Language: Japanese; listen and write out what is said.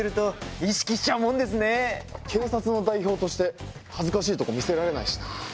警察の代表として恥ずかしいとこ見せられないしな。